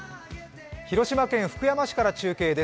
広島県福山市から中継です。